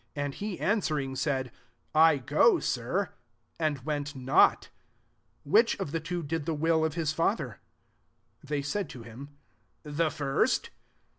And he answering, said, * I^o, Sir ;' and went not. 31 Which of the two did the will of /nt father ? They said to him, « The first."